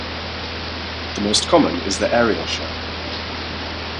The most common is the aerial shell.